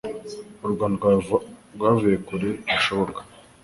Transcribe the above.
u Rwanda rwavuye kure hashoboka